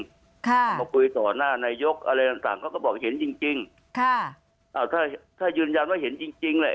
เขามาคุยต่อหน้านายกอะไรต่างต่างเขาก็บอกเห็นจริงจริงค่ะอ่าถ้าถ้ายืนยันว่าเห็นจริงจริงแหละ